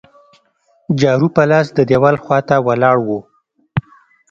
جارو په لاس د دیوال خوا ته ولاړ وو.